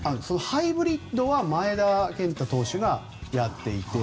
ハイブリッドは前田健太投手がやっていて。